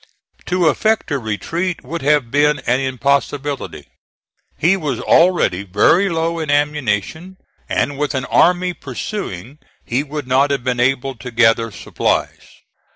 To effect a retreat would have been an impossibility. He was already very low in ammunition, and with an army pursuing he would not have been able to gather supplies.